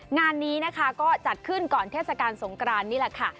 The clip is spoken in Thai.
งานนี้นะคะก็จัดขึ้นก่อนเทศกาลสงกรานนี่แหละค่ะ